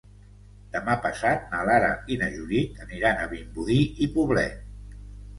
Demà passat na Lara i na Judit aniran a Vimbodí i Poblet.